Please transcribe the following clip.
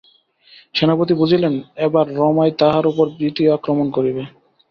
সেনাপতি বুঝিলেন, এবার রমাই তাঁহার উপর দ্বিতীয় আক্রমণ করিবে।